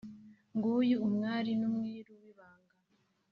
nguyu umwari n’umwiru w’ibanga